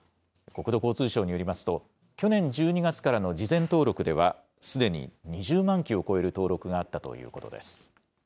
国土交通省によりますと、去年１２月から事前登録では、すでに２０万機を超える登録があったということです。